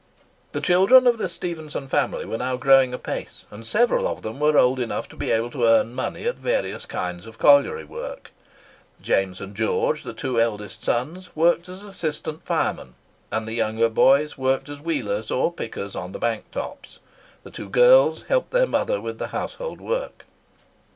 The children of the Stephenson family were now growing apace, and several of them were old enough to be able to earn money at various kinds of colliery work. James and George, the two eldest sons, worked as assistant firemen; and the younger boys worked as wheelers or pickers on the bank tops. The two girls helped their mother with the household work.